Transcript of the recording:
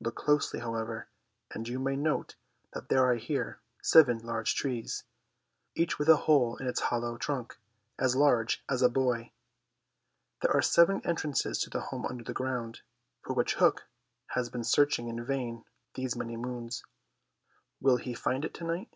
Look closely, however, and you may note that there are here seven large trees, each with a hole in its hollow trunk as large as a boy. These are the seven entrances to the home under the ground, for which Hook has been searching in vain these many moons. Will he find it tonight?